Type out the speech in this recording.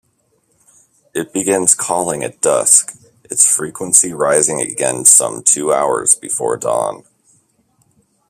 It begins calling at dusk, its frequency rising again some two hours before dawn.